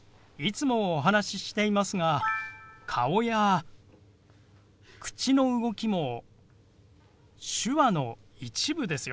いつもお話ししていますが顔や口の動きも手話の一部ですよ。